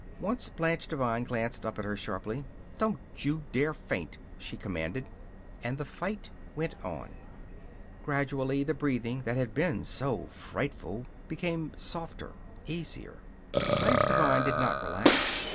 Once Blanche Devine glanced up at her sharply. "Don't you dare faint!" she commanded. And the fight went on. Gradually the breathing that had been so frightful became softer, easier. Blanche Devine did not relax.